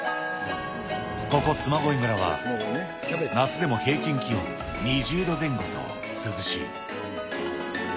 ここ、嬬恋村は、夏でも平均気温２０度前後と涼しい。